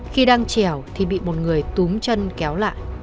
khi đang trèo thì bị một người túm chân kéo lại